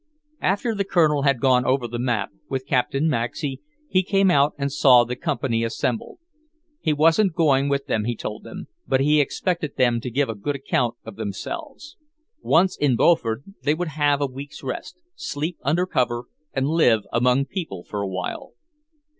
After the Colonel had gone over the map with Captain Maxey, he came out and saw the Company assembled. He wasn't going with them, he told them, but he expected them to give a good account of themselves. Once in Beaufort, they would have a week's rest; sleep under cover, and live among people for awhile.